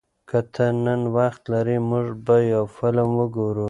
که ته نن وخت لرې، موږ به یو فلم وګورو.